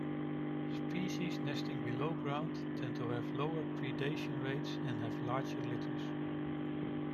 Species nesting below ground tend to have lower predation rates and have larger litters.